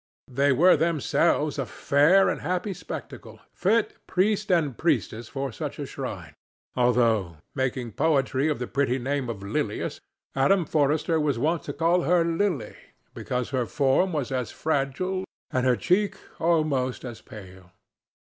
They were themselves a fair and happy spectacle, fit priest and priestess for such a shrine, although, making poetry of the pretty name of Lilias, Adam Forrester was wont to call her "Lily" because her form was as fragile and her cheek almost as pale.